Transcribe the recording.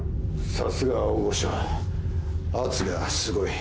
さすがは大御所圧がすごい。